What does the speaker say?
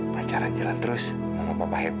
pacaran jalan terus mama papa happy